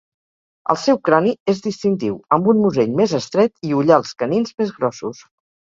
El seu crani és distintiu amb un musell més estret i ullals canins més grossos.